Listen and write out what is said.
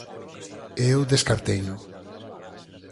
E eu descarteino.